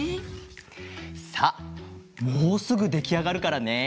さあもうすぐできあがるからね。